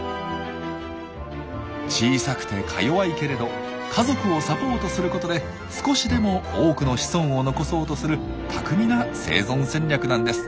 小さくてかよわいけれど家族をサポートすることで少しでも多くの子孫を残そうとする巧みな生存戦略なんです。